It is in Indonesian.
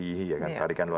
tarikan luar biasa